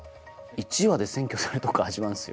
１話で占拠されるとこから始まるんですよ。